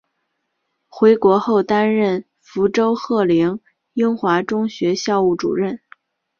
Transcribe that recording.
回国后担任福州鹤龄英华中学校务主任。